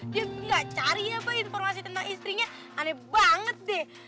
dia gak cari apa informasi tentang istrinya aneh banget deh